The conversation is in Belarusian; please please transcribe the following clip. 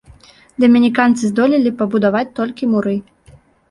Дамініканцы здолелі пабудаваць толькі муры.